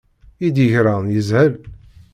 I d-yegran yeshel.